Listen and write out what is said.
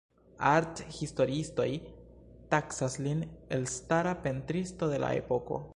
Art-historiistoj taksas lin elstara pentristo de la epoko.